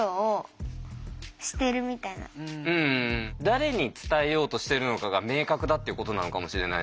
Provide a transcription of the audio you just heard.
誰に伝えようとしてるのかが明確だっていうことなのかもしれないね。